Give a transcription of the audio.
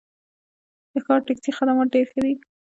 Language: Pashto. د ښار ټکسي خدمات ډېر ښه دي.